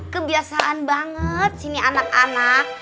kebiasaan banget sini anak anak